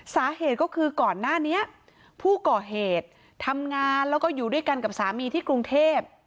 สาเหตุก็คือก่อนหน้านี้ผู้ก่อเหตุทำงานแล้วก็อยู่ด้วยกันกับสามีที่กรุงเทพ